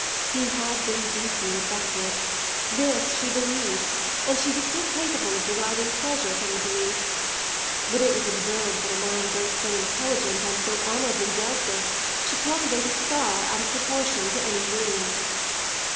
He had been deeply affected this she believed, and she was still capable of deriving pleasure from the belief; but it was absurd that a man both so intelligent and so honourably dealt with should cultivate a scar out of proportion to any wound.